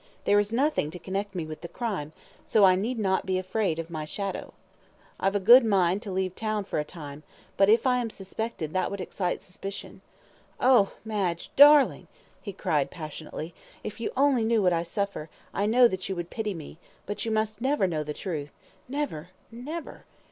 There is nothing to connect me with the crime, so I need not be afraid of my shadow. I've a good mind to leave town for a time, but if I am suspected that would excite suspicion. Oh, Madge! my darling," he cried passionately, "if you only knew what I suffer, I know that you would pity me but you must never know the truth Never! Never!"